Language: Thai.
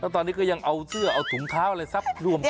ตอนนี้ก็ยังเอาเสื้อเอาถุงเท้าอะไรซับรวมกัน